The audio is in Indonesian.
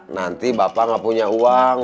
nanti bapak nggak punya uang